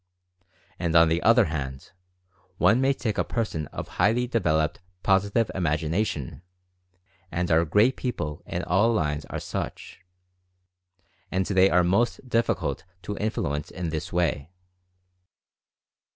And on the other hand, one may take a person of highly developed Positive Imag ination — and our great people in all lines are such — and they are most difficult to influence in this way.